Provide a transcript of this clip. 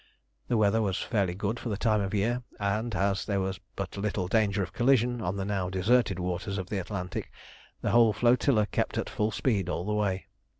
The weather was fairly good for the time of year, and, as there was but little danger of collision on the now deserted waters of the Atlantic, the whole flotilla kept at full speed all the way.